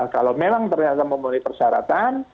kalau memang ternyata memenuhi persyaratan